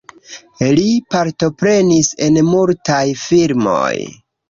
Li partoprenis en multaj filmoj.